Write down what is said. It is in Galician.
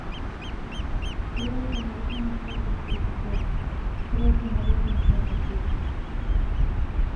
Creo que merecen as súas explicacións, creo que merecen que os reciba.